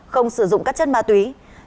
không sử dụng các chất ma túy